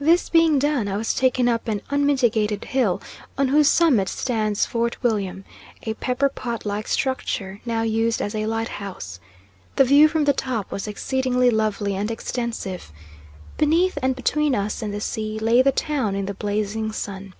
This being done, I was taken up an unmitigated hill, on whose summit stands Fort William, a pepper pot like structure now used as a lighthouse. The view from the top was exceedingly lovely and extensive. Beneath, and between us and the sea, lay the town in the blazing sun.